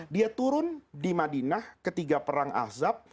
dia turun di madinah ketiga perang azab